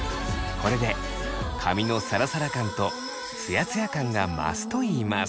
これで髪のサラサラ感とツヤツヤ感が増すといいます。